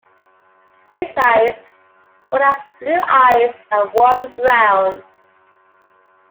Besides, one has blue eyes and one brown.